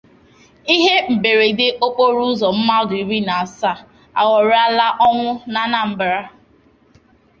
Ihe Mberede Okporoụzọ: Mmadụ Iri Na Asaa Aghọrịala Ọnwụ n'Anambra